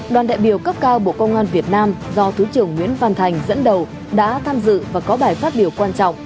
đoàn đại biểu cấp cao bộ công an việt nam do thứ trưởng nguyễn văn thành dẫn đầu đã tham dự và có bài phát biểu quan trọng